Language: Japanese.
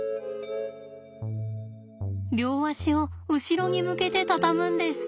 両足を後ろに向けて畳むんです。